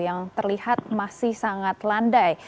yang terlihat masih sangat landai